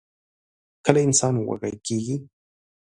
کله انسان وږۍ کيږي؟